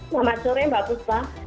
selamat sore mbak kuspa